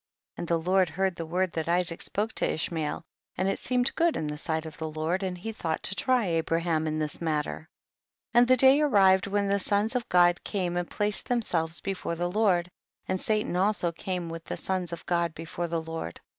45. And the Lord heard the word that Isaac spoke to Ishmael, and it seemed good in tiie sight of the Lord, and he thought to try Abraham in this matter. 46. And the day arrived when the sons of God came and placed them selves before the Lord, and Satan also came with the sons of God before the Lord. 47.